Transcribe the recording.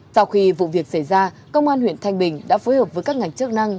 sau khi vụ việc xảy ra công an huyện thanh bình đã phối hợp với các ngành chức năng